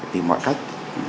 tìm mọi cách